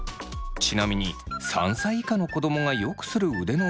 ちなみに３歳以下の子供がよくする腕の振り方です。